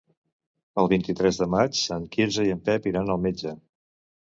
El vint-i-tres de maig en Quirze i en Pep iran al metge.